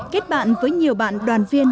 kết bạn với nhiều bạn đoàn viên